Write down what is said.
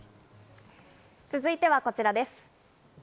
続いたらこちらです。